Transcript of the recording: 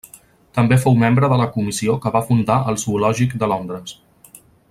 També fou membre de la comissió que va fundar el Zoològic de Londres.